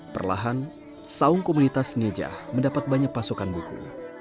perlahan saung komunitas ngejah mendapat banyak pasokan buku